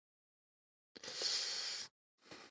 هنرمندانو د امید په اړه اثار جوړ کړي دي.